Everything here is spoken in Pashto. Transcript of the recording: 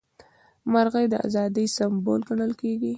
مرغۍ د ازادۍ سمبول ګڼل کیږي.